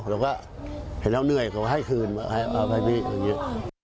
เราก็เห็นแล้วเหนื่อยเขาก็ให้คืนเอาไปพี่อย่างนี้